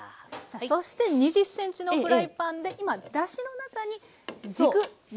さあそして２０ｃｍのフライパンで今だしの中に軸煮ているところです。